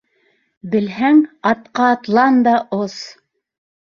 Белһәң, атҡа атлан да ос...